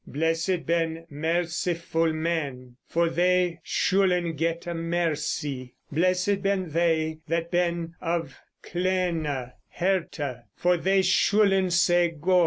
Blessid ben merciful men, for thei schulen gete merci. Blessid ben thei that ben of clene herte, for thei schulen se God.